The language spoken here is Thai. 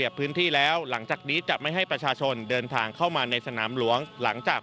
ส่วนประชาชนที่มีความประสงค์จะพักครั้งคืน